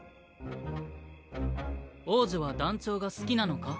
王女は団長が好きなのか？